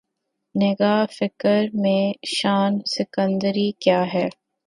نگاہ فقر میں شان سکندری کیا ہے